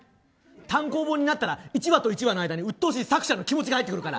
単行本になったら１話と１話の間にうっとうしい作者の気持ちが入ってくるから。